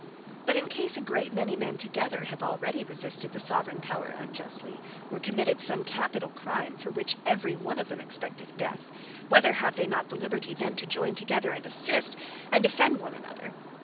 But in case a great many men together, have already resisted the Soveraign Power Unjustly, or committed some Capitall crime, for which every one of them expecteth death, whether have they not the Liberty then to joyn together, and assist, and defend one another?